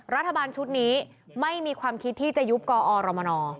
รัฐบาลชุดนี้ไม่มีความคิดที่จะยุบกอรมน